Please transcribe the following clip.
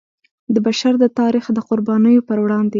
د بشر د تاریخ د قربانیو پر وړاندې.